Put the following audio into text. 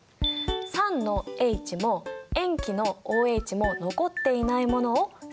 酸のＨも塩基のＯＨも残っていないものを正塩。